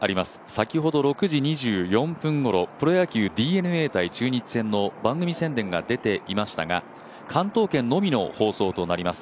先ほど６時２４分ごろ、プロ野球ＤｅＮＡ×中日戦の番組宣伝が出ていましたが、関東圏のみの放送となります。